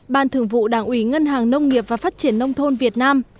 ban thường vụ đảng ủy ngân hàng nông nghiệp và phát triển nông thôn việt nam